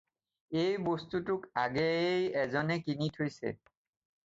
এই বস্তুটোক আগেয়েই এজনে কিনি থৈছে।